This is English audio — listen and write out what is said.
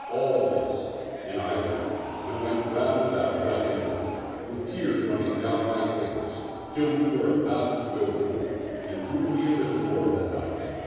All this, and I wept and went round about Tight and left, with the tears running down my face, till we were about to go forth and drew near the door of the house.